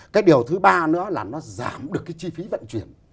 cái điều thứ ba nữa là nó giảm được cái chi phí vận chuyển